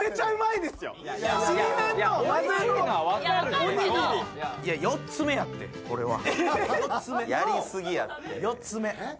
いや４つ目やってこれは。